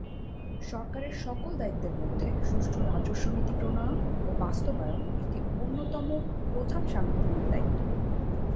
সরকারের সকল দায়িত্বের মধ্যে সুষ্ঠু রাজস্ব নীতি প্রণয়ন ও বাস্তবায়ন একটি অন্যতম প্রধান সাংবিধানিক দায়িত্ব।